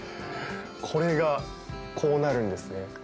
これが、こうなるんですね。